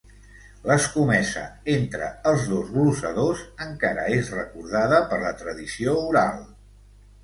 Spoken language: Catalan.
L'escomesa entre els dos glosadors encara és recordada per la tradició oral.